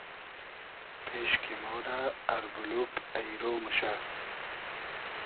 پېش کی مۉرۂ اربولوگ اݷرۉ موشۂ